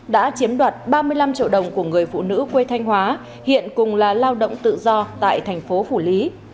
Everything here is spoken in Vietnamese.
đã chiếm đoạt ba mươi năm triệu đồng của người phụ nữ quê thanh hóa hiện cùng là lao động tự do tại thành phố phủ lý